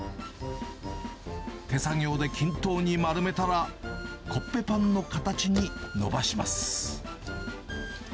手作業で均等に丸めたら、コッペパンの形に延ばします。